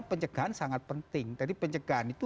pencegahan sangat penting jadi pencegahan itu